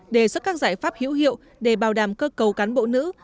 đề xuất các giải pháp hữu hiệu để bảo đảm cơ cầu cán bộ nữ